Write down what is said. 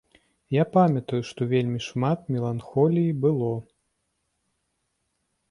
Я памятаю, што вельмі шмат меланхоліі было.